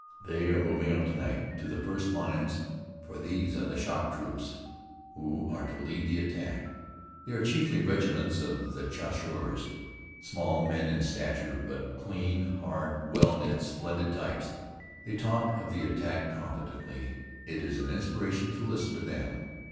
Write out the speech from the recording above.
They are moving up to night to the first lines, for these are the shock troops who are to lead the attack. They are chiefly regiments of Chasseurs small men in stature, but clean, hard, well knit splendid types. They talk of the attack confidently. It is an inspiration to listen to them.